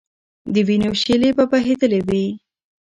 د وینو شېلې به بهېدلې وي.